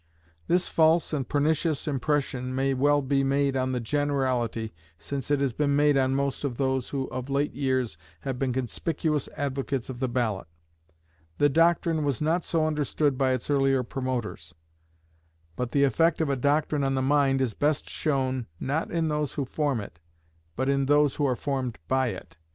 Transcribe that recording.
This false and pernicious impression may well be made on the generality, since it has been made on most of those who of late years have been conspicuous advocates of the ballot. The doctrine was not so understood by its earlier promoters; but the effect of a doctrine on the mind is best shown, not in those who form it, but in those who are formed by it. Mr.